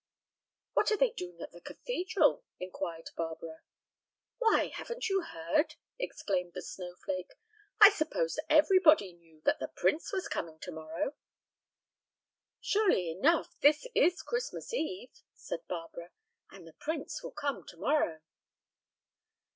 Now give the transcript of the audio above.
"What are they doing at the cathedral?" inquired Barbara. "Why, haven't you heard?" exclaimed the snowflake. "I supposed everybody knew that the prince was coming to morrow." "Surely enough; this is Christmas eve," said Barbara, "and the prince will come tomorrow."